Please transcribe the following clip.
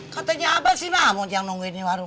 katanya abasinah mau jangan nungguin warung